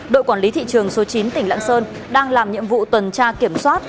đội quản lý thị trường số chín tỉnh lạng sơn đang làm nhiệm vụ tuần tra kiểm soát